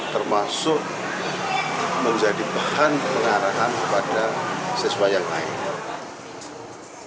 termasuk menjadi bahan pengarahan kepada siswa yang lain